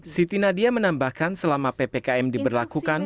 siti nadia menambahkan selama ppkm diberlakukan